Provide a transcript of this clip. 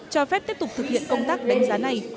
cho phép tiếp tục thực hiện công tác phòng chống tham nhũng